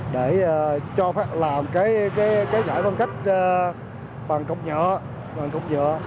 để cho phép làm cái giải văn cách bằng cọc nhựa